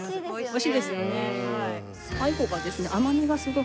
おいしいですよねはい。